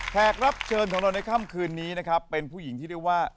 แขกรับเชิญของเราในค่ำคืนนี้นะครับเป็นผู้หญิงที่เรียกว่า